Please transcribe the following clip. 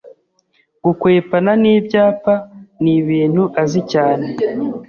Gukwepana n’ibyapa nibintu azi cyane